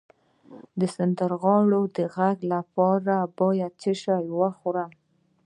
د سندرغاړو د غږ لپاره باید څه شی وخورم؟